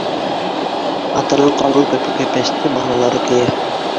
Атанан ҡалған көпө-кәпәсте балалары кейә.